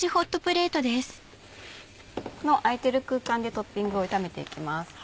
この空いてる空間でトッピングを炒めていきます。